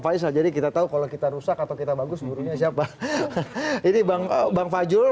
faisal jadi kita tahu kalau kita rusak atau kita bagus gurunya siapa ini bang bang fajrul